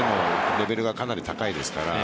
レベルがかなり高いですから。